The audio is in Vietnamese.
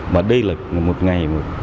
mà đây là một ngày hội